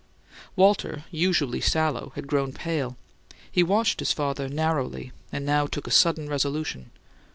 Walter, usually sallow, had grown pale: he watched his father narrowly, and now took a sudden resolution.